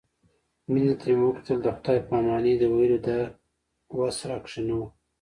مينې ته مې وکتل د خداى پاماني د ويلو وس راکښې نه و.